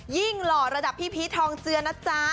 หล่อระดับพี่พีชทองเจือนะจ๊ะ